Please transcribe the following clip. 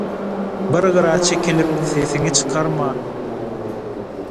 Bir gyra çekilip, sesiňi çykarman